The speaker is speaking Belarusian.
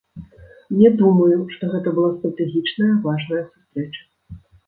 Не думаю, што гэта была стратэгічная важная сустрэча.